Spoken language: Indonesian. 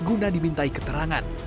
guna dimintai keterangan